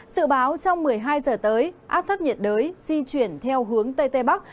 sự báo trong một mươi hai giờ tới áp thấp nhiệt đới di chuyển theo hướng tây tây bắc